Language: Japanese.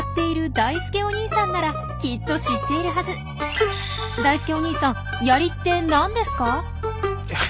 だいすけおにいさん「やり」って何ですか？